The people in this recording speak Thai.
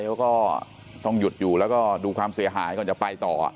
เขาก็ต้องหยุดอยู่แล้วก็ดูความเสียหายก่อนจะไปต่อ